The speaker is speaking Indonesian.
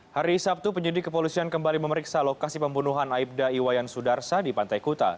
hari sabtu penyidik kepolisian kembali memeriksa lokasi pembunuhan aibda iwayan sudarsa di pantai kuta